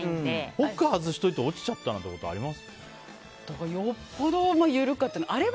ホック外しておいて落ちちゃったことあります？